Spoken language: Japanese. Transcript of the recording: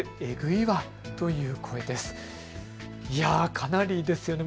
かなりですよね。